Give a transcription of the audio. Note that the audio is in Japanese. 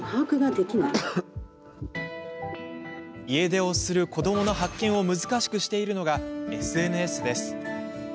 家出をする子どもの発見を難しくしているのが、ＳＮＳです。